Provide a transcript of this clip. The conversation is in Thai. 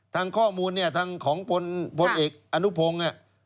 ทางข้อมูลเนี่ยทางของพลเอกอนุพงศ์